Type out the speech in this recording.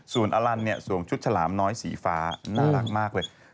ส่วนอลันเนี่ยสวมชุดฉลามน้อยสีฟ้าน่ารักมากเลย